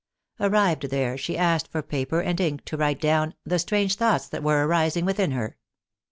Arrived there, she asked for paper and ink to write down " the strange thoughts that were arising within her."